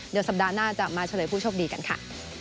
เดี๋ยวสัปดาห์หน้าจะมาเฉลยผู้โชคดีกันค่ะ